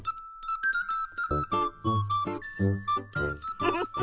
フフフフ。